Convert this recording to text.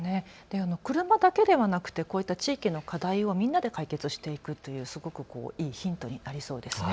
車だけではなくてこういった地域の課題をみんなで解決していくっていうのはすごくいいヒントになりそうですね。